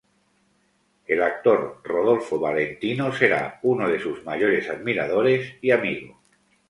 El actor Rodolfo Valentino será uno de sus mayores admiradores y amigo.